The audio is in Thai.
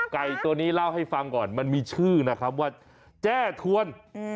ไก่ตัวนี้เล่าให้ฟังก่อนมันมีชื่อนะครับว่าแจ้ทวน